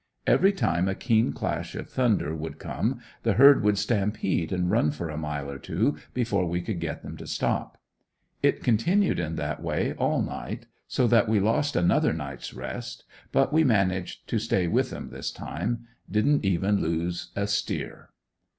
Every time a keen clash of thunder would come the herd would stampede and run for a mile or two before we could get them to stop. It continued in that way all night so that we lost another night's rest; but we managed to "stay with 'em" this time; didn't even loose a steer.